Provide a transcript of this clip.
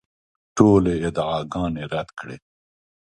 ټولې ادعاګانې رد کړې.